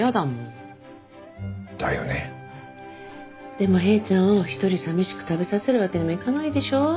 でもヘイちゃんを独り寂しく食べさせるわけにもいかないでしょう？